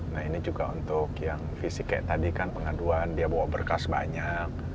nah ini juga untuk yang fisik kayak tadi kan pengaduan dia bawa berkas banyak